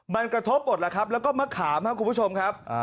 มันกระทบหมดแล้วก็มะขามครับคุณผู้ชมครับ